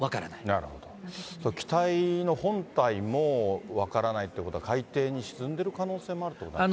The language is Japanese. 機体の本体も分からないということは、海底に沈んでる可能性もあるということですか。